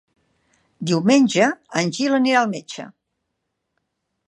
Diumenge en Gil anirà al metge.